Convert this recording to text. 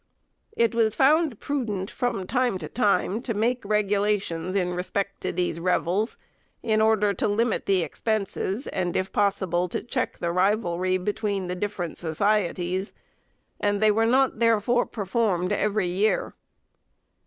It was found prudent from time to time to make regulations in respect to these revels, in order to limit the expenses, and, if possible, to check the rivalry between the different societies, and they were not therefore performed every year.